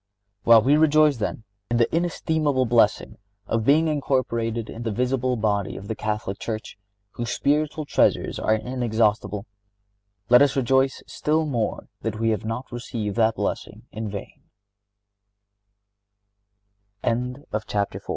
While we rejoice, then, in the inestimable blessing of being incorporated in the visible body of the Catholic Church, whose spiritual treasures are inexhaustible, let us rejoice still more that we have not received that blessing in vain. Chapter V.